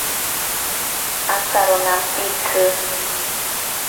Antaro nampitsi.